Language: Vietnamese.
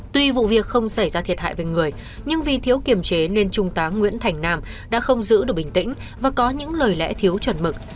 tuy vụ việc không xảy ra thiệt hại về người nhưng vì thiếu kiềm chế nên trung tá nguyễn thành nam đã không giữ được bình tĩnh và có những lời lẽ thiếu chuẩn mực